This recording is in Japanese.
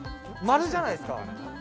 丸じゃないですか。